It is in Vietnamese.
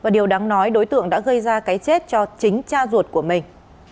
điều đáng nói đối tượng đã gây ra cái chết cho chính cha ruột của mình